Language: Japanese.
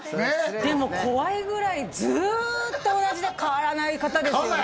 でも怖いぐらいずーっと同じで変わらない方ですよね